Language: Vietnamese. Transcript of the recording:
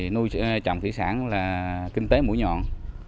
nui trồng thủy sản là kinh tế mũi nhọn